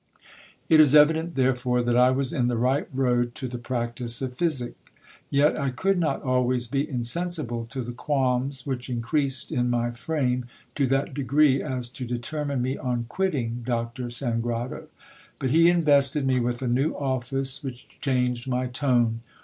It is evident, therefore, that I was in the right road to the practice of physic. Yet GIL BLAS. I could not always be insensible to the qualms which increased in my frame, to that degree, as to determine me on quitting Doctor Sangrado. But he invested me with a new office which changed my tone.